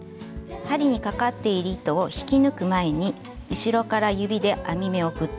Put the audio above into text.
針にかかっている糸を引き抜く前に後ろから指で編み目をグッと押します。